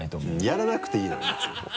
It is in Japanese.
やらなくていいのよ別に。